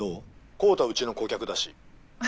昂太うちの顧客だし。